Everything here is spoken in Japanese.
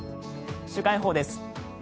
週間予報です。